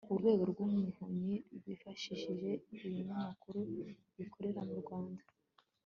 urwego rw'umuvunyi rwifashishije ibinyamakuru bikorera mu rwanda